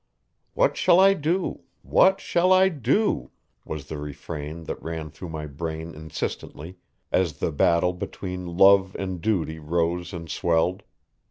"What shall I do? What shall I do?" was the refrain that ran through my brain insistently, as the battle between love and duty rose and swelled.